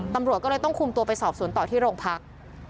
ตำรวจก็เลยต้องคุมตัวไปสอบสวนต่อที่โรงพัก